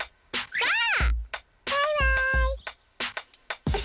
バイバーイ！